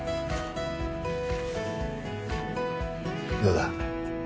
どうだ？